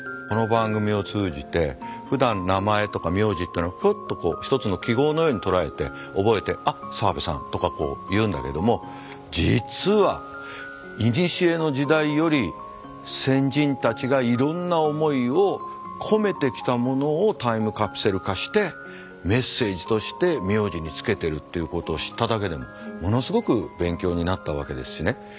この番組を通じてふだん名前とか名字ってのはふっとこう一つの記号のように捉えて覚えてあっ澤部さんとかこう言うんだけども実はいにしえの時代より先人たちがいろんな思いを込めてきたものをタイムカプセル化してメッセージとして名字に付けてるっていうことを知っただけでもものすごく勉強になったわけですしね。